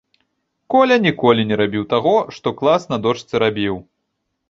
Коля ніколі не рабіў таго, што клас на дошцы рабіў.